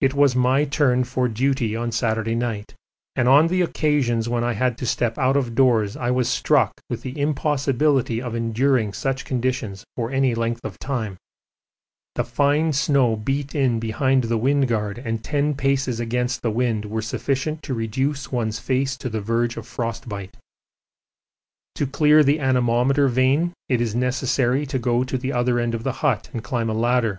It was my turn for duty on Saturday night, and on the occasions when I had to step out of doors I was struck with the impossibility of enduring such conditions for any length of time. One seemed to be robbed of breath as they burst on one the fine snow beat in behind the wind guard, and ten paces against the wind were sufficient to reduce one's face to the verge of frostbite. To clear the anemometer vane it is necessary to go to the other end of the hut and climb a ladder.